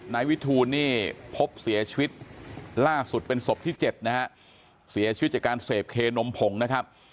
นายวิทูลนี่พบเสียชีวิตล่าสุดเป็นศพที่เจ็ดนะฮะเสียชีวิตจากการเสพเคนมผงนะครับ